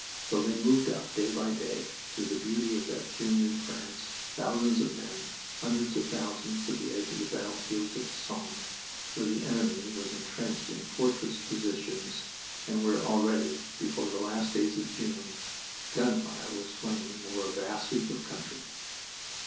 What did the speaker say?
So they moved up day by day, through the beauty of that June in France, thousands of men, hundreds of thousands to the edge of the battlefields of the Somme, where the enemy was intrenched in fortress positions and where already, before the last days of June, gunfire was flaming over a vast sweep of country.